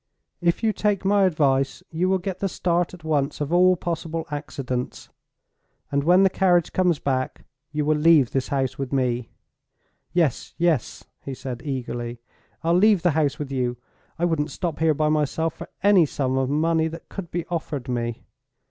If you take my advice, you will get the start at once of all possible accidents; and, when the carriage comes back, you will leave this house with me!" "Yes, yes!" he said, eagerly; "I'll leave the house with you. I wouldn't stop here by myself for any sum of money that could be offered me.